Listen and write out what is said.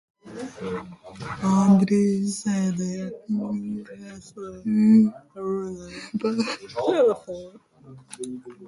Andris sēdēja uz krēsla un runāja pa telefonu.